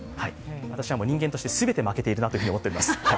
私は人間として全て負けているなと思っております。